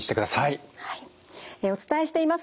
お伝えしています